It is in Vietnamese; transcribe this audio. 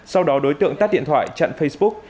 sau đó đối tượng tắt điện thoại chặn facebook